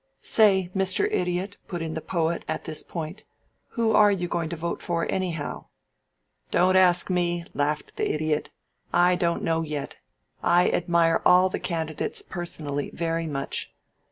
"Say, Mr. Idiot," put in the Poet, at this point, "who are you going to vote for, anyhow?" "Don't ask me," laughed the Idiot. "I don't know yet. I admire all the candidates personally very much."